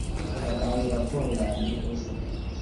natanze raporo yanjye ejo